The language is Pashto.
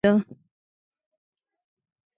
ابوسفیان دا کار ورته شه ونه ایسېده.